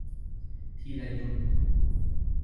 ธีรยุทธ